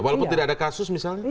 walaupun tidak ada kasus misalnya